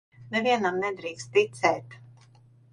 Nevienam nedrīkst ticēt.